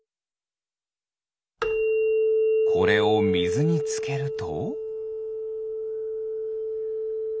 これをみずにつけると？